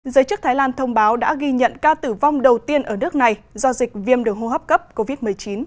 giới chức thái lan thông báo đã ghi nhận ca tử vong đầu tiên ở nước này do dịch viêm đường hô hấp cấp covid một mươi chín